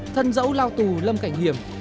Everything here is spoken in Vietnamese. thân dẫu lao tù lâm cảnh hiểm